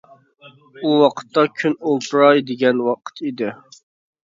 ئۇ ۋاقىتتا كۈن ئولتۇراي دېگەن ۋاقىت ئىدى.